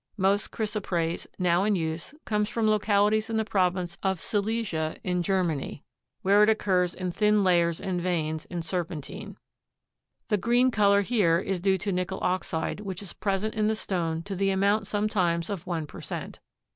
Most chrysoprase now in use comes from localities in the province of Silesia in Germany, where it occurs in thin layers and veins in serpentine. The green color here is due to nickel oxide which is present in the stone to the amount sometimes of one per cent.